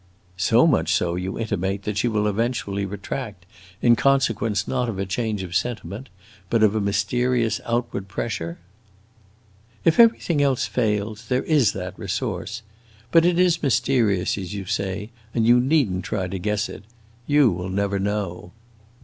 "So much so, you intimate, that she will eventually retract, in consequence not of a change of sentiment, but of a mysterious outward pressure?" "If everything else fails, there is that resource. But it is mysterious, as you say, and you need n't try to guess it. You will never know."